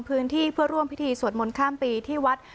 พื้นที่เพื่อร่วมพิธีสวดมนต์ข้ามปีที่วัด